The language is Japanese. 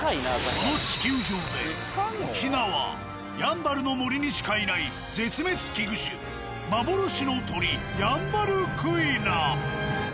この地球上で沖縄・やんばるの森にしかいない絶滅危惧種幻の鳥ヤンバルクイナ。